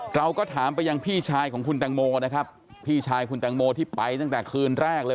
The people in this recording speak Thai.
เราก็ถามไปยังพี่ชายของคุณแตงโมนะครับพี่ชายคุณแตงโมที่ไปตั้งแต่คืนแรกเลย